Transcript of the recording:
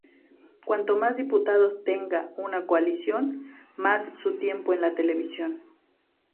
Cuanto más diputados tenga una coalición, más su tiempo en la televisión.